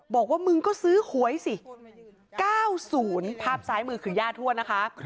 บอกว่ามึงก็ซื้อหวยสิ๙๐ภาพซ้ายมือคือย่าทวดนะคะ